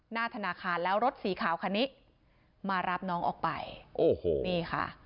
หน้าธนาคารแล้วรถสีขาวคันนี้มารับน้องออกไปโอ้โหนี่ค่ะ